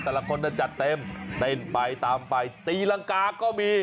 แต่ละคนจัดเต็มเต้นไปตามไปตีรังกาก็มี